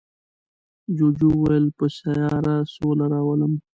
جوجو وویل په سیاره سوله راولم.